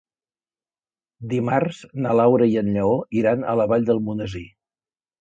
Dimarts na Laura i en Lleó iran a la Vall d'Almonesir.